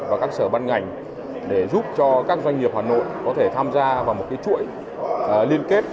và các sở ban ngành để giúp cho các doanh nghiệp hà nội có thể tham gia vào một chuỗi liên kết